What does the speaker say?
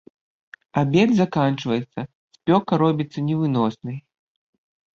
Абед заканчваецца, спёка робіцца невыноснай.